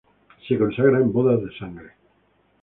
Se consagra en Bodas de sangre.